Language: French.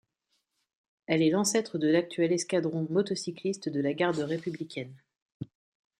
Elle est l’ancêtre de l’actuel escadron motocycliste de la garde républicaine.